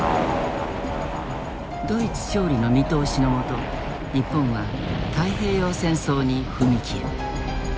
ドイツ勝利の見通しのもと日本は太平洋戦争に踏み切る。